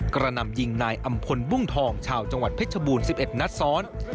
กระนำยิงนายอำพลบุ้งทองชาวจังหวัดเพชรบูรณ์๑๑นัดซ้อน